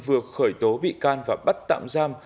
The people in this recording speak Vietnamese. vừa khởi tố bị can và bắt tạm giam